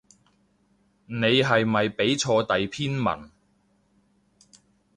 你係咪畀錯第篇文